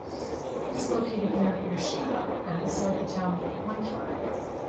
It is located near Beersheba and beside the town Meitar.